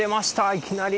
いきなり！